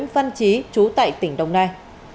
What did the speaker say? bác trí chú tại tỉnh đồng nai